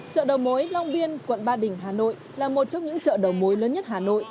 chợ đầu mối long biên quận ba đình hà nội là một trong những chợ đầu mối lớn nhất hà nội